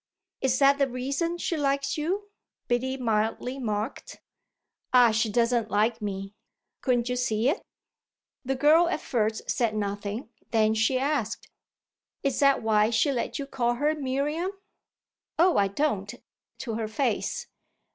"Is that the reason she likes you?" Biddy mildly mocked. "Ah she doesn't like me couldn't you see it?" The girl at first said nothing; then she asked: "Is that why she lets you call her 'Miriam'?" "Oh I don't, to her face."